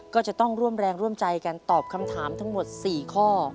ก็จะต้องร่วมแรงร่วมใจกันตอบคำถามทั้งหมด๔ข้อ